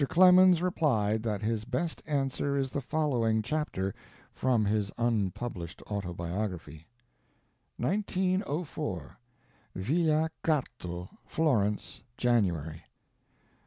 Clemens replied that his best answer is the following chapter from his unpublished autobiography: 1904. VILLA QUARTO, FLORENCE, JANUARY.